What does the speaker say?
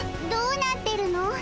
どうなってるの？